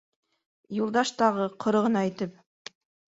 Юлдаш тағы, ҡоро ғына итеп: